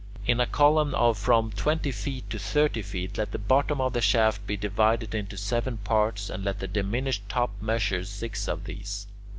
In a column of from twenty feet to thirty feet, let the bottom of the shaft be divided into seven parts, and let the diminished top measure six of these.